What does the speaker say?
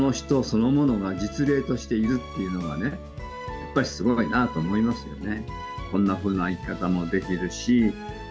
やっぱりすごいなと思いますよね。